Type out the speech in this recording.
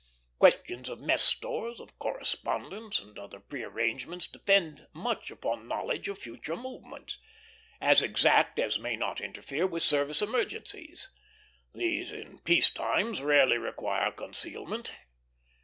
Questions of mess stores, of correspondence, and other pre arrangements, depend much upon knowledge of future movements, as exact as may not interfere with service emergencies. These in peace times rarely require concealment.